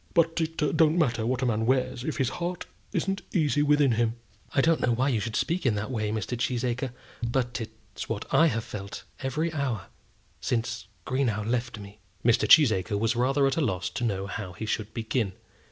"But it don't matter what a man wears if his heart isn't easy within him." "I don't know why you should speak in that way, Mr. Cheesacre; but it's what I have felt every hour since since Greenow left me." Mr. Cheesacre was rather at a loss to know how he should begin.